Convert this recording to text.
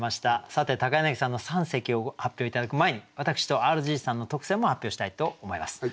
さて柳さんの三席を発表頂く前に私とＲＧさんの特選も発表したいと思います。